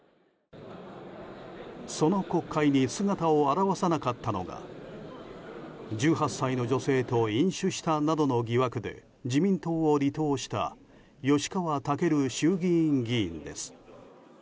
その国会に姿を現さなかったのが１８歳の女性と飲酒したとの疑惑で自民党を離党した吉川赳衆議院議員です。